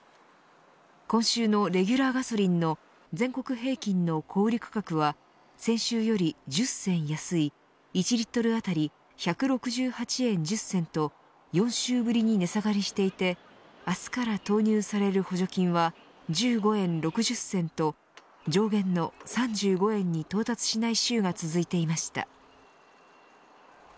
今週のレギュラーガソリンの全国平均の小売価格は先週より１０銭安い１リットル当たり１６８円１０銭と４週ぶりに値下がりしていて明日から投入される補助金は１５円６０銭と上限の３５円に到達しない週が続いていました。